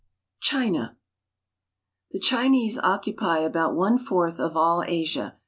CHINA THE Chinese occupy about one fourth of all Asia.